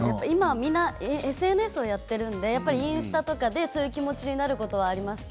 みんなＳＮＳをやっているのでインスタでそういう気持ちになることはあります。